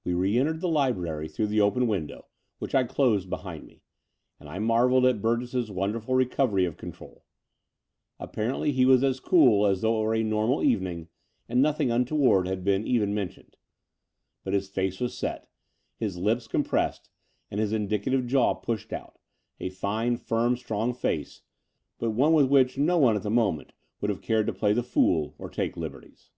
IV We re entered the Ubrary through the open window, which I closed behind me ; and I marvelled at Btu gess's wonderful recovery of control. Ap parently he was as cool as though it were a normal evening and nothing imtoward had been even mentioned. But his face was set, his lips com pressed, and his indicative jaw pushed out — a, fine, firm, strong face, but one with which no one at the moment would have cared to play the fool or take liberties.